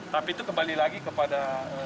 tapi itu kembali lagi kepada